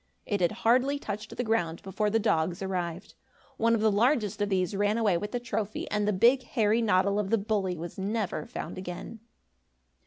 It had hardly touched the ground, before the dogs arrived. One of the largest of these ran away with the trophy and the big, hairy noddle of the bully was never found again.